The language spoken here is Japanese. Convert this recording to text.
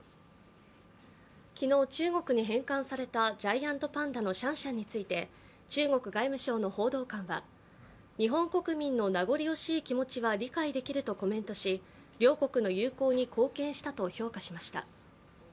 昨日、中国に返還されたジャイアントパンダのシャンシャンについて中国外務省の報道官は日本国民の名残惜しい気持ちは理解できるとコメントし、両国の友好に貢献したと評価しました。